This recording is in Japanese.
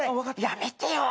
やめてよ。